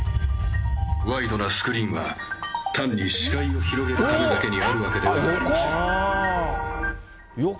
ワイドなスクリーンは単に視界を広げるためだけにあるわけではあ横。